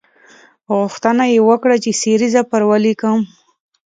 غوښتنه یې وکړه چې سریزه پر ولیکم.